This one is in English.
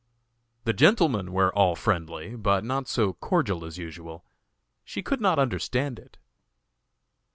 The gentlemen were all friendly, but not so cordial as usual. She could not understand it.